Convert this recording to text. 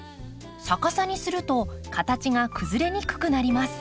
逆さにすると形が崩れにくくなります。